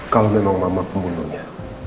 kalau memang mama pembunuhnya